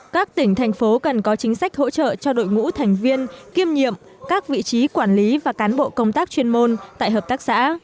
các tỉnh thành phố cần có chính sách hỗ trợ cho đội ngũ thành viên kiêm nhiệm các vị trí quản lý và cán bộ công tác chuyên môn tại hợp tác xã